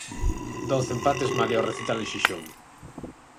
Doce empates malia o recital en Xixón.